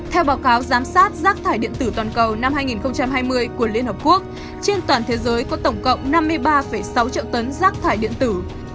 theo báo cáo giám sát rác thải điện tử toàn cầu năm hai nghìn hai mươi của liên hợp quốc trên toàn thế giới có tổng cộng năm mươi ba sáu triệu tấn rác thải điện tử